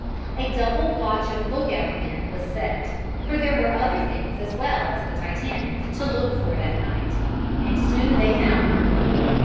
A double watch of lookout men was set, for there were other things as well as the Titanic to look for that night, and soon they found them.